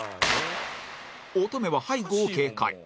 乙女は背後を警戒